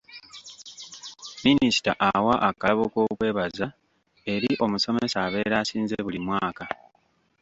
Minisita awa akalabo k'okwebaza eri omusomesa abeera asinze buli mwaka.